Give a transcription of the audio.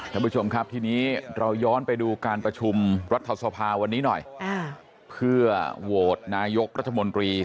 เจ้าผู้ชมครับที่นี้เราย้อนไปดูการประชุม